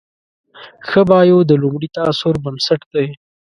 ښه بایو د لومړي تاثر بنسټ دی.